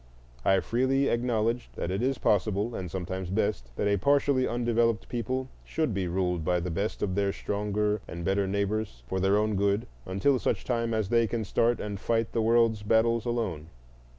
I freely acknowledged that it is possible, and sometimes best, that a partially undeveloped people should be ruled by the best of their stronger and better neighbors for their own good, until such time as they can start and fight the world's battles alone.